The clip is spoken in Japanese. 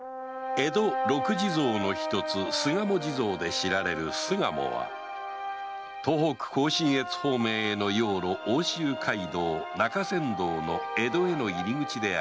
江戸六地蔵の一つ巣鴨地蔵で知られる巣鴨は東北甲信越方面への要路奥州街道中山道の江戸への入り口である